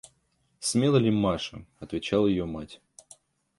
– Смела ли Маша? – отвечала ее мать.